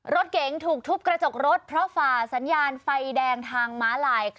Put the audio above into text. รถเก๋งถูกทุบกระจกรถเพราะฝ่าสัญญาณไฟแดงทางม้าลาย